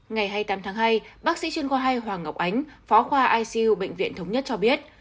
ngày hai mươi tám tháng hai bác sĩ chuyên khoa hai hoàng ngọc ánh phó khoa icu bệnh viện thống nhất cho biết